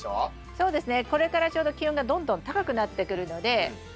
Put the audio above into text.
そうですね。